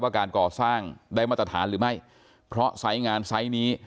การก่อสร้างได้มาตรฐานหรือไม่เพราะไซส์งานไซส์นี้